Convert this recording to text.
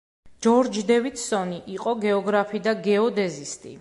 ჯორჯ დევიდსონი იყო გეოგრაფი და გეოდეზისტი.